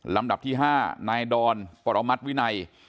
ลำดับที่๕นายดอนปรมัติวินัย